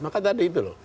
maka tadi itu loh